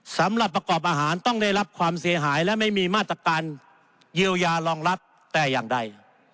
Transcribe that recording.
สำหรับประกอบอาหารต้องได้รับความเสียหายและไม่มีมาตรการเยียวยารองรับแต่อย่างใด